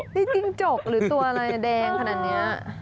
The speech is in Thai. นี่จิ้งจกหรือตัวอะไรแดงขนาดนี้